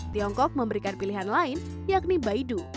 tiongkok memberikan pilihan lain yakni baidu